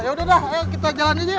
yaudah dah ayo kita jalanin yuk